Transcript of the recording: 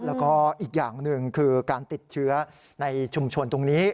แล้วก็อีกอย่างหนึ่งคือการติดเชื้อในชุมชนตรงนี้